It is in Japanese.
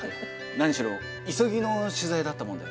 何しろ急ぎの取材だったもんで。